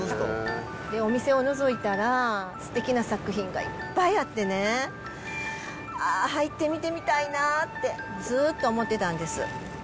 お店をのぞいたら、すてきな作品がいっぱいあってね、ああ、入って見てみたいなって、ずーっと思ってたんです。